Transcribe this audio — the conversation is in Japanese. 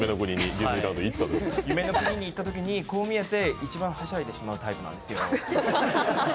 夢の国に行ったときに、こう見えて一番はしゃいでしまうタイプなんですよ。